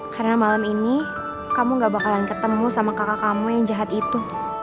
karena malam ini kamu gak bakalan ketemu sama kakak kamu yang jahat itu